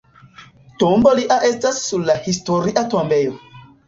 Tombo lia estas sur la Historia tombejo.